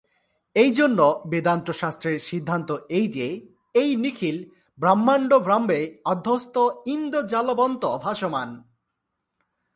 এইজন্য বেদান্তশাস্ত্রের সিদ্ধান্ত এই যে, এই নিখিল ব্রহ্মাণ্ড ব্রহ্মে অধ্যস্ত ইন্দ্রজালবৎ ভাসমান।